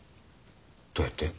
どうやって？